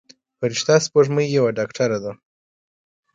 فرشته سپوږمۍ یوه ډاکتره ده.